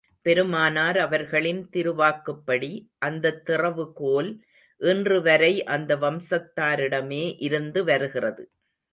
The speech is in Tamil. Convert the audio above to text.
பெருமானார் அவர்களின் திருவாக்குப்படி, அந்தத் திறவு கோல் இன்று வரை அந்த வம்சத்தாரிடமே இருந்து வருகிறது.